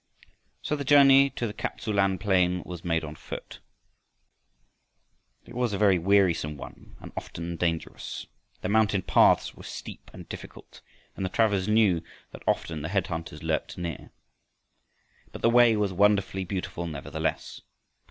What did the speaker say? So the journey to the Kap tsu lan plain was made on foot. It was a very wearisome one and often dangerous. The mountain paths were steep and difficult and the travelers knew that often the head hunters lurked near. But the way was wonderfully beautiful nevertheless.